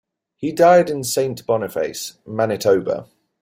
He died in Saint Boniface, Manitoba.